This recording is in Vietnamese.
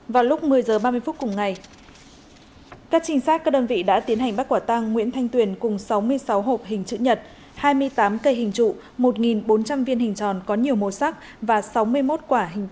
vào lúc một mươi h ba mươi phút cùng ngày các trinh sát các đơn vị đã tiến hành bắt quả tăng nguyễn thanh tuyền cùng sáu mươi sáu hộp hình chữ nhật hai mươi tám cây hình trụ một bốn trăm linh viên hình tròn có nhiều màu sắc và sáu mươi một quả hình tròn